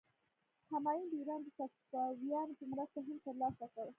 همایون د ایران د صفویانو په مرسته هند تر لاسه کړ.